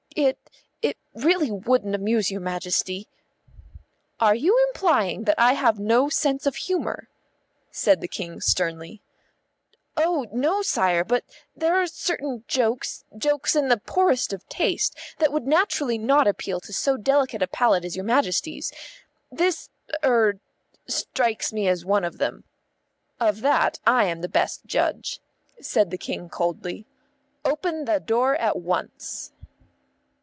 "It it really wouldn't amuse your Majesty." "Are you implying that I have no sense of humour?" said the King sternly. "Oh, no, sire, but there are certain jokes, jokes in the poorest of taste, that would naturally not appeal to so delicate a palate as your Majesty's. This er strikes me as one of them." "Of that I am the best judge," said the King coldly. "Open the door at once."